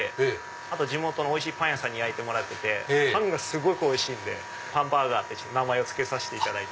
あと地元のおいしいパン屋さんに焼いてもらっててパンがすごくおいしいんでパンバーガーって名前を付けた。